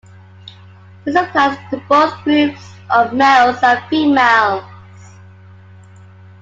This applies to both groups of males and females.